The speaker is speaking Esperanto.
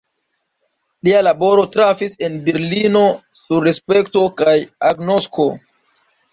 Lia laboro trafis en Berlino sur respekto kaj agnosko.